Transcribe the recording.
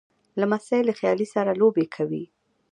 لمسی له خالې سره لوبې کوي.